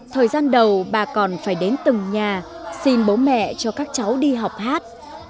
thời gian đầu bà còn phải đến từng nhà xin bố mẹ cho các cháu đi học hát